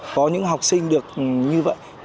có những học sinh được như vậy